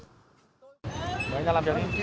tôi không có gì để làm việc cả